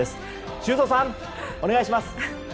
修造さん、お願いします。